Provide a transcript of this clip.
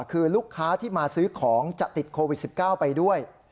คือลูกค้าที่มาซื้อของจะติดโควิด๑๙ไปด้วย